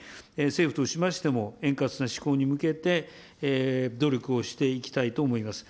政府としましても、円滑な施行に向けて、努力をしていきたいと思います。